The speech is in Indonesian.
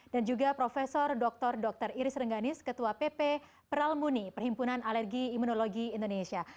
dan juga profesor doktor dr iris rengganis ketua pp peralmuni perhimpunan alergi imunologi indonesia